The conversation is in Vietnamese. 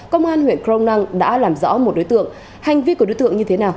công an huyện kronang đã làm rõ một đối tượng hành vi của đối tượng như thế nào